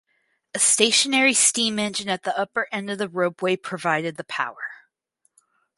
A stationary steam engine at the upper end of the ropeway provided the power.